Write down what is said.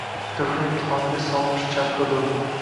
Turfa imtihonga solmish charxi dun.